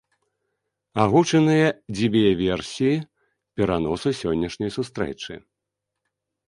Агучаныя дзве версіі пераносу сённяшняй сустрэчы.